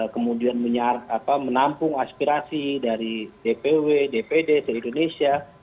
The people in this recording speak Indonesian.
kemudian menampung aspirasi dari dpw dpd dari indonesia